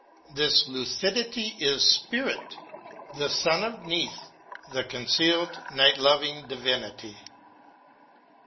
This lucidity is Spirit â the Son of Neith the concealed night loving divinity.